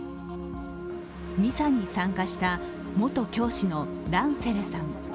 ミサに参加した元教師のランセレさん。